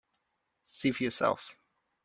See for yourself.